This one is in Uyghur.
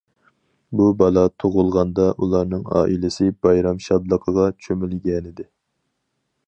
بۇ بالا تۇغۇلغاندا ئۇلارنىڭ ئائىلىسى بايرام شادلىقىغا چۆمۈلگەنىدى.